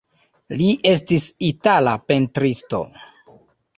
Li estis itala pentristo.